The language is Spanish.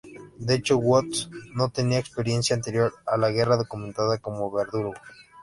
De hecho, Woods no tenía experiencia anterior a la guerra documentada como verdugo.